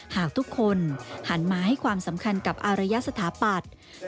หากทุกคนหันมาให้ความสำคัญกับอารยสถาปัตย์